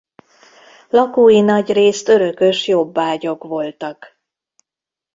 Lakói nagyrészt örökös jobbágyok voltak.